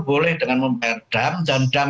boleh dengan membayar dam dan dam